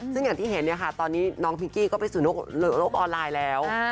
ซึ่งอย่างที่เห็นเนี่ยค่ะตอนนี้น้องพิงกี้ก็ไปสู่โลกออนไลน์แล้ว